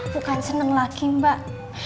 bukan senang lagi mbak